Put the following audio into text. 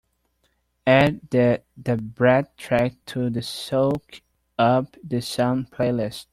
Add the da brat track to the Soak Up The Sun playlist.